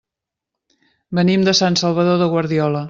Venim de Sant Salvador de Guardiola.